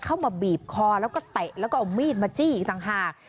มาบีบคอแล้วก็เตะแล้วก็เอามีดมาจี้อีกต่างหาก